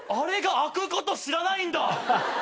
開くこと知らない！？